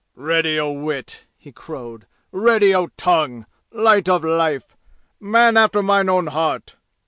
"Ready o' wit!" he crowed. "Ready o' tongue! Light o' life! Man after mine own heart!